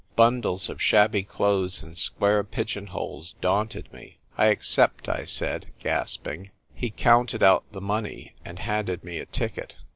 Bundles of shabby clothes in square pigeon holes daunted me. "I accept," I said, gasping. He counted out the money, and handed me a ticket.